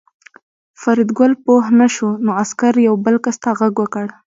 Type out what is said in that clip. فریدګل پوه نه شو نو عسکر یو بل کس ته غږ وکړ